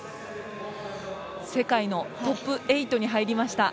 世界のトップ８に入りました。